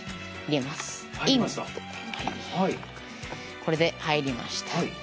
これで入りました。